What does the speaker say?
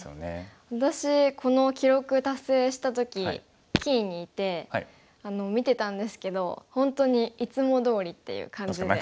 私この記録達成した時棋院にいて見てたんですけど本当にいつもどおりっていう感じで。